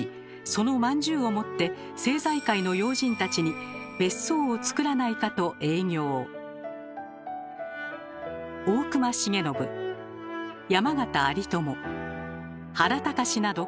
そのまんじゅうを持って政財界の要人たちに別荘を造らないかと営業。など